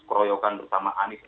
keroyokan bersama anis